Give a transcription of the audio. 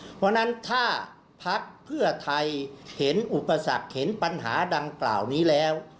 เพราะฉะนั้นถ้าพักเพื่อไทยเห็นอุปสรรคเห็นปัญหาดังกล่าวนี้แล้ว